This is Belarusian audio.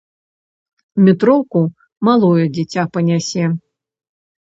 Метроўку малое дзіця панясе!